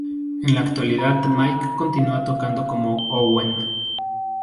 En la actualidad Mike continúa tocando como "Owen".